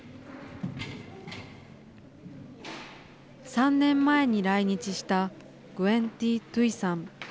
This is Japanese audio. ３年前に来日したグエン・ティ・トゥイさん。